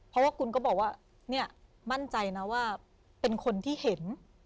เพราะว่าคุณก็บอกว่าเนี่ยมั่นใจนะว่าเป็นคนที่เห็น